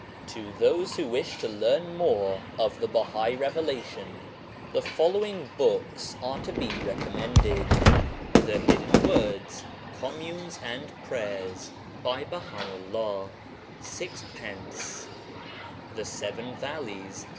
To those who wish to learn more of the Bahai Revelation the following books are to be recommended: — The Hidden Words, Communes and Prayers by Baha'u'Uah. 6d. The Seven Valleys.